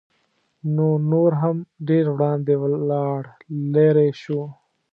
نو نور هم ډېر وړاندې ولاړ لېرې شو.